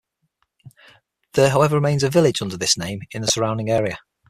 There however remains a village under this name in the surrounding area.